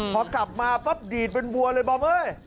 พอกลับมาปั๊บดีดเป็นบัวเลยบอมเอ้ย